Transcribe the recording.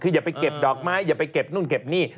คืออย่าไปเก็บดอกไม้อย่าไปเก็บนู่นเก็บนี่